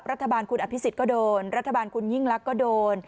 รัฐบาลคุณอภิษฎก็โดนรัฐบาลคุณยิ่งลักษณ์ก็โดน